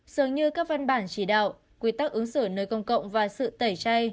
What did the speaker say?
dường như các văn bản chỉ đạo quy tắc ứng xử nơi công cộng và sự tẩy chay